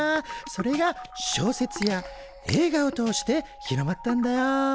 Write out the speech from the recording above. それが小説や映画を通して広まったんだよ。